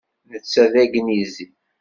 Netta d agnizi.